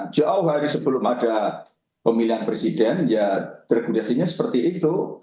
jauh hari sebelum ada pemilihan presiden ya regulasinya seperti itu